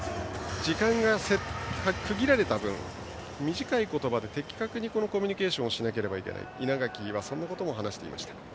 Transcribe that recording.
時間が区切られている分短い言葉で的確にコミュニケーションをしなければいけないと稲垣はそんなことを話していました。